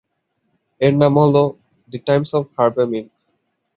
এর নাম হলো "the Times of Harvey milk."